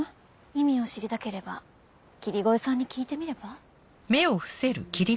意味を知りたければ霧声さんに聞いてみれば？